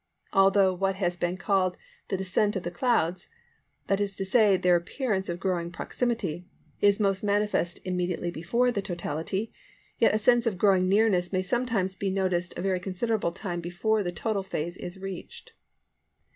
Although what has been called the descent of the clouds (that is to say their appearance of growing proximity) is most manifest immediately before the totality, yet a sense of growing nearness may sometimes be noticed a very considerable time before the total phase is reached.